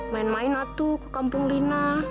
main main atu ke kampung lina